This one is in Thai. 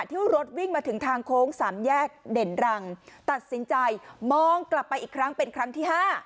ที่รถวิ่งมาถึงทางโค้งสามแยกเด่นรังตัดสินใจมองกลับไปอีกครั้งเป็นครั้งที่๕